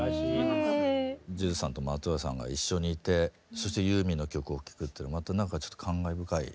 ＪＵＪＵさんと松任谷さんが一緒にいてそしてユーミンの曲を聴くっていうのまたなんかちょっと感慨深い。